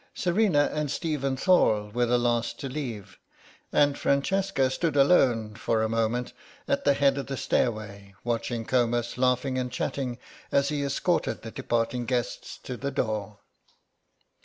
Serena and Stephen Thorle were the last to leave, and Francesca stood alone for a moment at the head of the stairway watching Comus laughing and chatting as he escorted the departing guests to the door.